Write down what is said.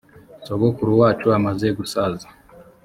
sogokuruza wacu amaze gusaza